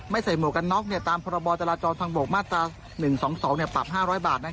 ใส่หมวกกันน็อกตามพรบจราจรทางบกมาตรา๑๒๒ปรับ๕๐๐บาท